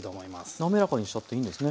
滑らかにしちゃっていいんですね。